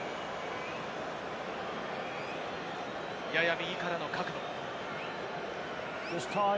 やや右からの角度。